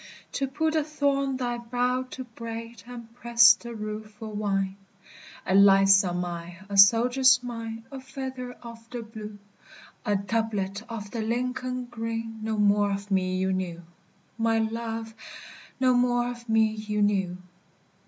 To pull the thorn thy brow to braid, And press the rue for wine! A lightsome eye, a soldier's mien, A feather of the blue, A doublet of the Lincoln green No more of me you knew, My love! No more of me you knew.